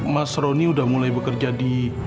mas roni udah mulai bekerja di